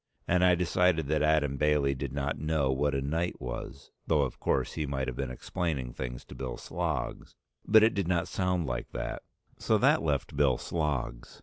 And I decided that Adam Bailey did not know what a knight was, though of course he might have been explaining things to Bill Sloggs, but it did not sound like that; so that left Bill Sloggs.